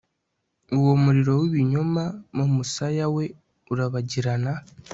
uwo muriro wibinyoma mumusaya we urabagirana